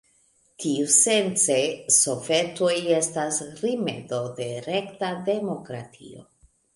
Tiusence sovetoj estas rimedo de rekta demokratio.